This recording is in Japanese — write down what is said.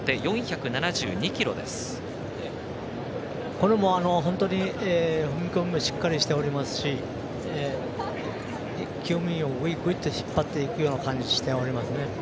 これも本当に踏み込みもしっかりしておりますしきゅう務員をぐいぐいっと引っ張っていくような感じがしてますね。